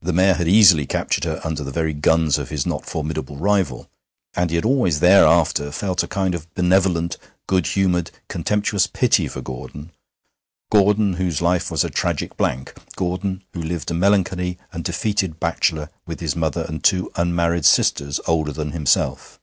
The Mayor had easily captured her under the very guns of his not formidable rival, and he had always thereafter felt a kind of benevolent, good humoured, contemptuous pity for Gordon Gordon, whose life was a tragic blank; Gordon, who lived, a melancholy and defeated bachelor, with his mother and two unmarried sisters older than himself.